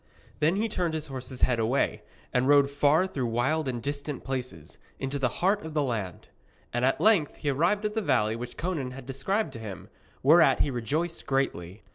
Then he turned his horse's head away, and rode far through wild and distant places, into the heart of the land. And at length he arrived at the valley which Conan had described to him, whereat he rejoiced greatly.